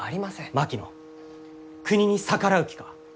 槙野国に逆らう気か？